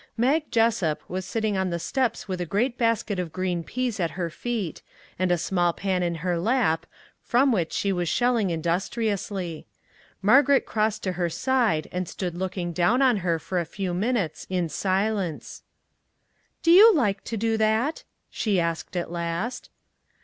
Mag Jessup was sitting on the steps with a great basket of green peas at her feet, and a small pan in her lap, from which she was shell 182 PEAS AND PICNICS ing industriously. Margaret crossed to her side and stood looking down on her for a few min utes in silence. " Do you like to do that? " she asked at last.